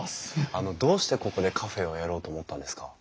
あのどうしてここでカフェをやろうと思ったんですか？